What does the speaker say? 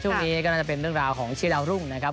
ช่วงนี้ก็น่าจะเป็นเรื่องราวของชื่อดาวรุ่งนะครับ